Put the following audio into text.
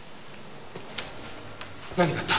何があった？